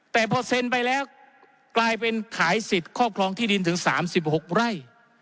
แต่พอเซ็นไปแล้วกลายเป็นขายสิทธิ์ครอบครองที่ดินถึง๓๖ไร่